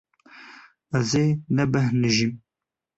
Ez ê nebêhnijim.